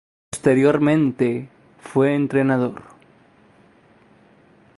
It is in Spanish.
Posteriormente fue entrenador.